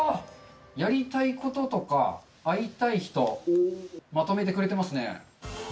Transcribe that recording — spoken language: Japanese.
やりたいこととか会いたい人まとめてくれてますね。